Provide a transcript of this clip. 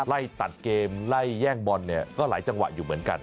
ไล่ตัดเกมไล่แย่งบอลเนี่ยก็หลายจังหวะอยู่เหมือนกัน